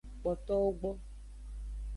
Kpotowo gbo.